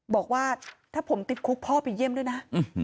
บอกว่าถ้าผมติดคุกพ่อไปเยี่ยมด้วยนะ